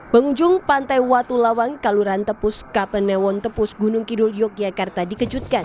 pengunjung pantai watulawang kaluran tepus kapanewon tepus gunung kidul yogyakarta dikejutkan